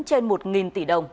trên một tỷ đồng